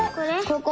ここ？